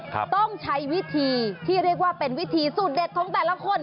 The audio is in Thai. ต้องใช้วิธีที่เรียกว่าเป็นวิธีสูตรเด็ดของแต่ละคน